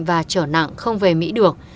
và trở nặng không về mỹ được